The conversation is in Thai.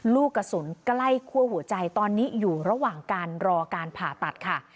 ลูกกระสุนใกล้คั่วหัวใจตอนนี้อยู่ระหว่างการรอการผ่าตัดค่ะ